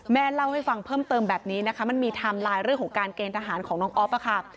แม่เล่าให้ฟังเพิ่มเติมแบบนี้นะคะมันมีไทม์ไลน์เรื่องของการเกณฑ์ทหารของน้องอ๊อฟค่ะ